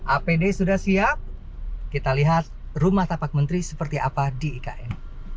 apd sudah siap kita lihat rumah tapak menteri seperti apa di ikn